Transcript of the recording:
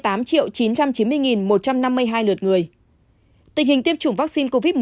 tình hình tiêm chủng vaccine covid một mươi chín